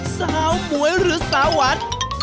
สาวหมวยหรือสาวหวาน